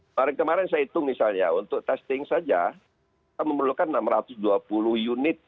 kemarin kemarin saya hitung misalnya untuk testing saja kita memerlukan enam ratus dua puluh unit